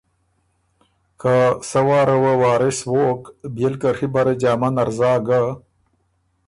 که سۀ واره وه وارث ووک بيې ل که ڒی بره جامه نر زا ګۀ،